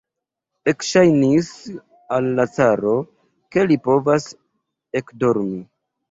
Ekŝajnis al la caro, ke li povas ekdormi.